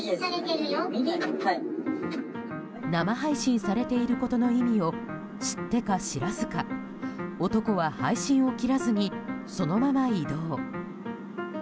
生配信されていることの意味を知ってか知らずか男は配信を切らずにそのまま移動。